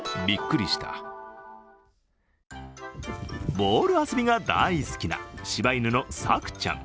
ボール遊びが大好きなしば犬のさくちゃん。